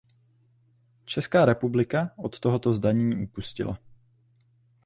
Česká republika od tohoto zdanění upustila.